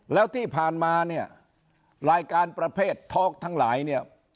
แล้วที่ผ่านมาเนี่ยรายการประเภททอล์กทั้งหลายเนี่ย